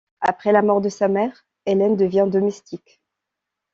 Après la mort de sa mère, Hélène devient domestique.